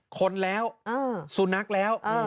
คนแล้วสุนัขแล้ว